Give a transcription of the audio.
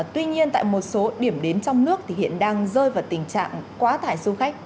tuy nhiên tại một số điểm đến trong nước thì hiện đang rơi vào tình trạng quá tải du khách